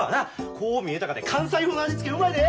こう見えたかて関西風の味付けうまいで！